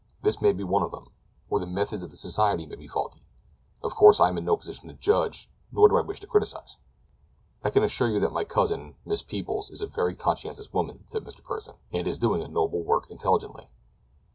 This may be one of them; or the methods of the society may be faulty. Of course I am in no position to judge, nor do I wish to criticise." "I can assure you that my cousin, Miss Peebles, is a very conscientious woman," said Mr. Pursen, "and is doing a noble work intelligently."